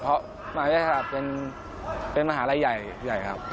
เพราะมหาวิทยาลัยธรรมศาสตร์เป็นมหาลัยใหญ่ครับ